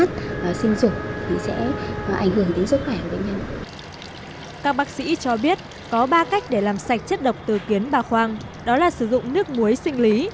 các bác sĩ cho biết có ba cách để làm sạch chất độc từ kiến bà khoang đó là sử dụng nước muối sinh lý